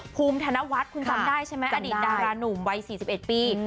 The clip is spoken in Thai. ภูมิธนวัฒน์คุณจำได้ใช่ไหมอดีตดารานุ่มวัย๔๑ปี